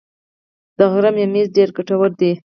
د غره ممیز ډیر ګټور دي